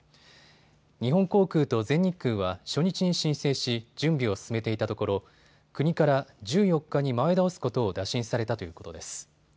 日本航空と全日空は初日に申請し準備を進めていたところ国から１４日に前倒すことを打診されたということです。